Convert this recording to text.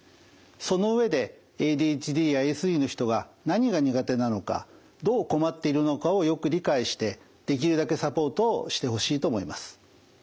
その上でＡＤＨＤやＡＳＤの人が何が苦手なのかどう困っているのかをよく理解してできるだけサポートをしてほしいと思います。